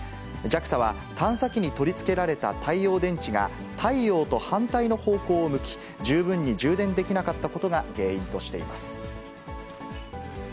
ＪＡＸＡは探査機に取り付けられた太陽電池が、太陽と反対の方向を向き、十分に充電できなかったことが原因としています。